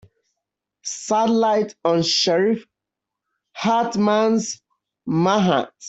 Sidelights on Sheriff Hartman's manhunt.